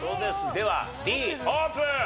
ではＤオープン！